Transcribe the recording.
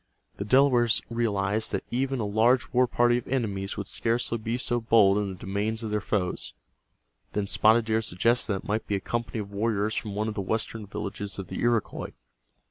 The Delawares realized that even a large war party of enemies would scarcely be so bold in the domains of their foes. Then Spotted Deer suggested that it might be a company of warriors from one of the western villages of the Iroquois.